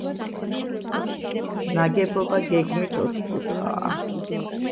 ნაგებობა გეგმით ოთხკუთხაა.